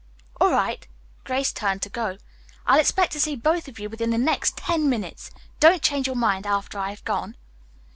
"All right." Grace turned to go. "I'll expect to see both of you within the next ten minutes. Don't change your mind after I have gone."